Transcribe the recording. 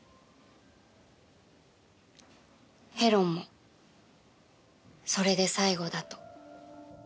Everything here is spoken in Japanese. ヘロンもそれで最後だと。